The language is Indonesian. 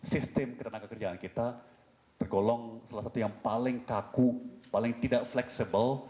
sistem ketenaga kerjaan kita tergolong salah satu yang paling kaku paling tidak fleksibel